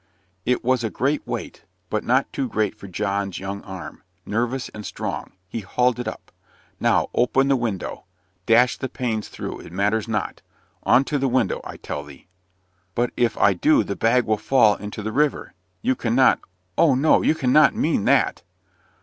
It was a great weight, but not too great for John's young arm, nervous and strong. He hauled it up. "Now, open the window dash the panes through it matters not. On to the window, I tell thee." "But if I do, the bag will fall into the river. You cannot oh, no! you cannot mean that!"